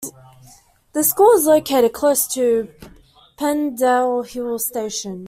The school is located close to Pendle Hill station.